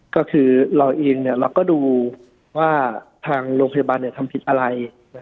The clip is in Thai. ก็คือเราเองเราก็ดูว่าทางโรงพยาบาลทำผิดอะไร